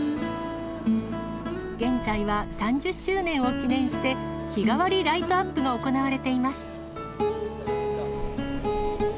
現在は３０周年を記念して、日替わりライトアップが行われています。